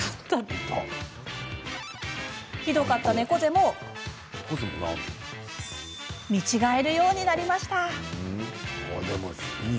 ひどかった猫背も見違えるようになりました。